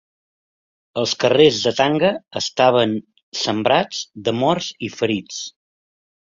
Els carrers de Tanga estaven sembrats de morts i ferits.